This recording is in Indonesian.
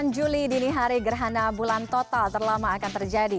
dua puluh delapan juli dini hari gerhana bulan total terlama akan terjadi